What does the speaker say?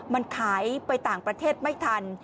มันขายไปต่างประเทศไม่ทัน